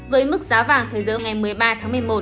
với mức giá vàng thế giới ngày một mươi ba tháng một mươi một